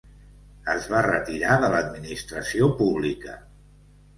Es va retirar de l'administració pública.